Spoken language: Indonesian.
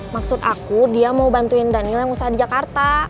maksud aku dia mau bantuin daniel yang usaha di jakarta